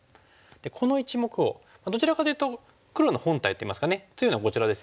この１目をどちらかというと黒の本体といいますか強いのはこちらですね。